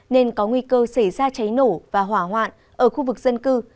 nên có nguy cơ xảy ra cháy nổ và hỏa hoạn ở khu vực dân cư